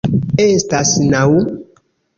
Estas naŭ.